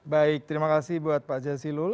baik terima kasih buat pak jasilul